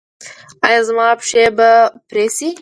ایا زما پښې به پرې شي؟